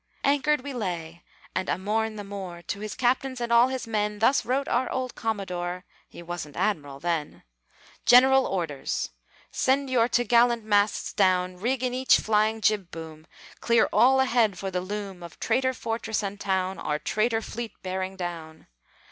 Anchored we lay, and a morn the more, To his captains and all his men Thus wrote our old commodore (He wasn't Admiral then): "GENERAL ORDERS: Send your to'gallant masts down, Rig in each flying jib boom! Clear all ahead for the loom Of traitor fortress and town, Or traitor fleet bearing down.